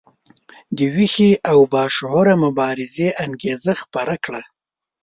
د ویښې او باشعوره مبارزې انګیزه خپره کړه.